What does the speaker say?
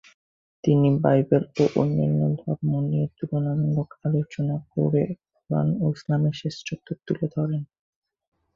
তিনি বাইবেল ও অন্যান্য ধর্ম নিয়ে তুলনামূলক আলোচনা করে "কুরআন" ও ইসলামের শ্রেষ্ঠত্ব তুলে ধরেন।